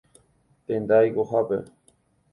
Tenda oikohápe.